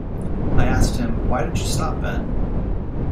I asked him, 'Why did you stop, Ben?